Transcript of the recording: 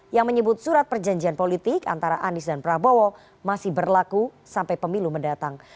yang menyebut surat perjanjian politik antara anies dan prabowo masih berlaku sampai pemilu mendatang